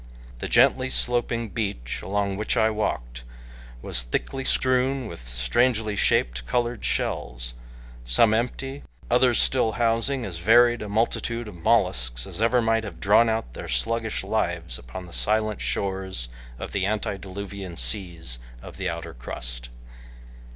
The gently sloping beach along which I walked was thickly strewn with strangely shaped, colored shells; some empty, others still housing as varied a multitude of mollusks as ever might have drawn out their sluggish lives along the silent shores of the antediluvian seas of the outer crust.